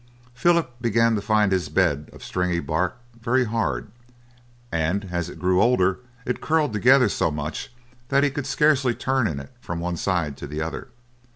Philip began to find his bed of stringy bark very hard, and as it grew older it curled together so much that he could scarcely turn in it from one side to the other.